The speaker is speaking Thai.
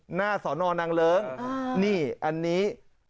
หน้าสอนอนางเลิ้งนี่อันนี้